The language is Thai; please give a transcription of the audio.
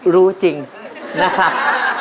รู้จริงนะครับ